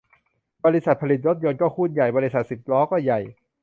บริษัทผลิตรถยนต์ก็หุ้นใหญ่ บริษัทสิบล้อก็ใหญ่